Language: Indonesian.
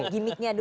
gimmicknya dulu ya